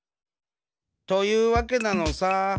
というわけなのさ。